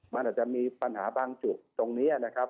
มันอาจจะมีปัญหาบางจุดตรงนี้นะครับ